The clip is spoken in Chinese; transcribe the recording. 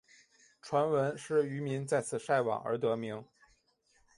传闻是渔民在此晒网而得名。